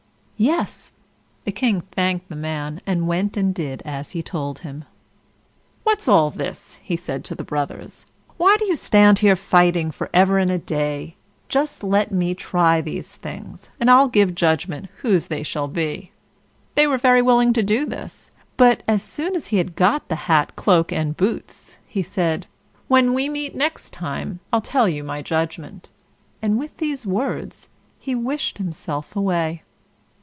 Yes! the King thanked the man, and went and did as he told him. "What's all this?" he said to the brothers. "Why do you stand here fighting for ever and a day? Just let me try these things, and I'll give judgment whose they shall be." They were very willing to do this; but, as soon as he had got the hat, cloak, and boots, he said: "When we meet next time, I'll tell you my judgment," and with these words he wished himself away.